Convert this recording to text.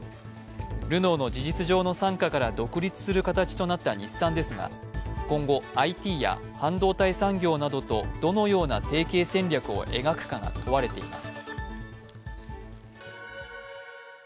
ルノーの事実上の傘下から独立する形となった日産ですが今後、ＩＴや半導体産業などとどのような提携戦略を描くかが問われています。